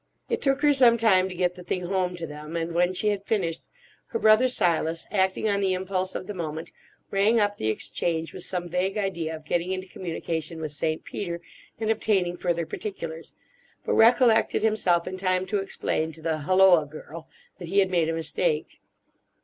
It took her some time to get the thing home to them; and when she had finished, her brother Silas, acting on the impulse of the moment, rang up the Exchange, with some vague idea of getting into communication with St. Peter and obtaining further particulars, but recollected himself in time to explain to the "hulloa girl" that he had made a mistake.